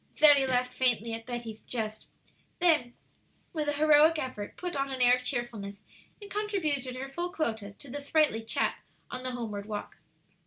Zoe laughed faintly at Betty's jest; then, with a heroic effort, put on an air of cheerfulness, and contributed her full quota to the sprightly chat on the homeward walk.